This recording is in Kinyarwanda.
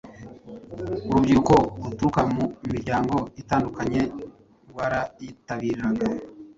urubyiruko ruturuka mu miryango itandukanye rwarayitabiraga